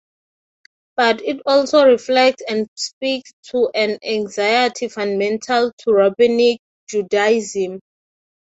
But it also reflects and speaks to an anxiety fundamental to Rabbinic Judaism.